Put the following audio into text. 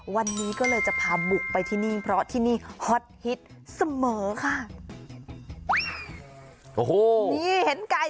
วันนี้ก็เลยจะพาบุกไปที่นี่เพราะที่นี่ฮอตฮิตเสมอค่ะ